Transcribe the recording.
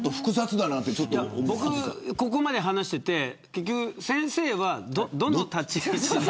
僕、ここまで話していて結局、先生は、どの立ち位置で。